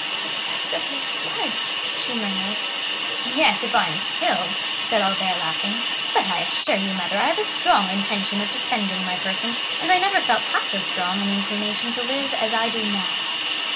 "The price of his blood!" she murmured. "Yes, if I am killed," said Albert, laughing. "But I assure you, mother, I have a strong intention of defending my person, and I never felt half so strong an inclination to live as I do now."